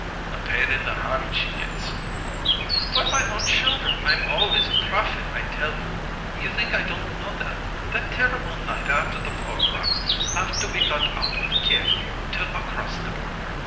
"A pain in the heart she gets." "For my own children I'm always a prophet, I tell you! You think I didn't know that that terrible night after the pogrom after we got out of Kief to across the border!